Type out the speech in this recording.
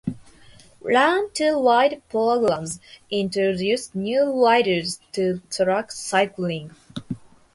Learn to ride programs introduce new riders to track cycling.